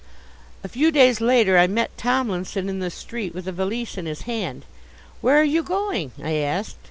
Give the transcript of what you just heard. A few days later I met Tomlinson in the street with a valise in his hand. "Where are you going?" I asked.